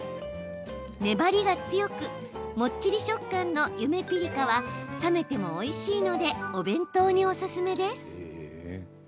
粘りが強く、もっちり食感のゆめぴりかは冷めてもおいしいのでお弁当におすすめです。